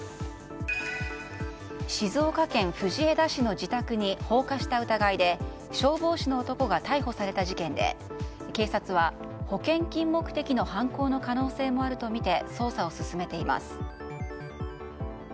静岡県藤枝市の自宅に放火した疑いで消防士の男が逮捕された事件で警察は保険金目的の犯行の可能性もあるとみて捜査を進めています。